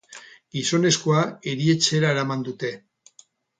Gizonezkoa erietxera eraman dute.